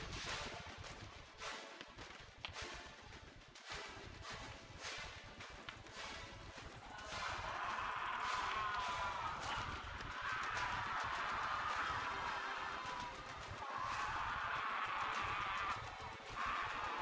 jangan biarkan dia kabur